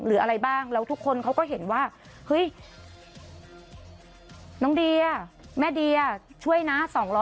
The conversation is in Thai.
หรืออะไรบ้างแล้วทุกคนเขาก็เห็นว่าเฮ้ยน้องเดียแม่เดียช่วยนะ